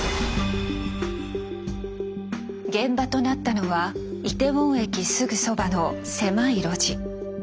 現場となったのはイテウォン駅すぐそばの狭い路地。